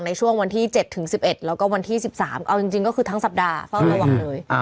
ในช่วงวันที่๗ถึง๑๑แล้วก็วันที่๑๓เอาจริงก็คือทั้งสัปดาห์เฝ้าระวังเลย